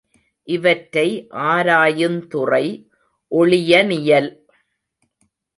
இவற்றை ஆராயுந்துறை ஒளியனியல்.